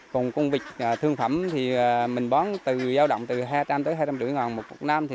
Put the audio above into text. cùng con vịt thương phẩm thì mình bán từ giao động từ hai trăm linh hai trăm năm mươi ngàn một quả nam